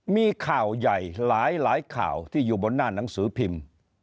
มีข่าวใหญ่หลายข่าวที่อยู่บนหน้าหนังสือพิมพ์